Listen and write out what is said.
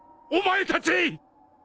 お前たち！